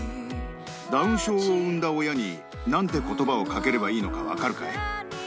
ダウン症を産んだ親に、なんてことばをかければいいか分かるかい？